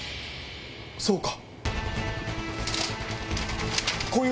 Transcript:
そうか！